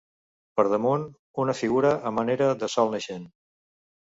Per damunt, una figura a manera de sol naixent.